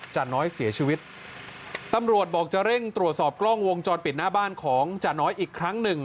จาน้อยเสียชีวิตตำรวจบอกจะเร่งตรวจสอบกล้องวงจรปิดหน้าบ้านของจาน้อยอีกครั้งหนึ่ง